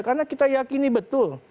karena kita yakini betul